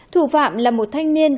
thủ phạm là một thanh niên